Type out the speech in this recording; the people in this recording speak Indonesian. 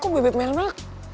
kok bebek main main